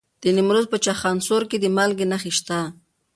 د نیمروز په چخانسور کې د مالګې نښې شته.